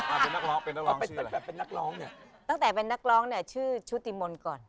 เป็นนักร้องเป็นนักร้องตั้งแต่เป็นนักร้องเนี่ยตั้งแต่เป็นนักร้องเนี่ยชื่อชุติมนต์ก่อน